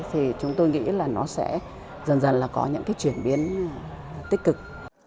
thì chúng tôi nghĩ là nó sẽ dần dần là có những cái chuyển biến tích cực